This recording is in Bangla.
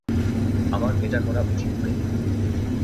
আমার এটা করা উচিত হয়নি।